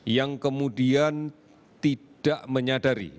yang kemudian tidak menyadari